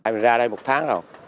mình ra đây một tháng